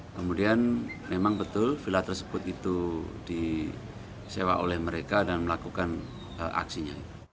kemudian memang betul villa tersebut itu disewa oleh mereka dan melakukan aksinya